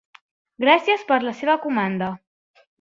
Gràcies per la seva comanda.